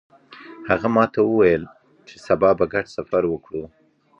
هغه ماته وویل چې سبا به ګډ سفر وکړو